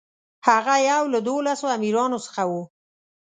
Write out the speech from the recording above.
هغه یو له دولسو امیرانو څخه و.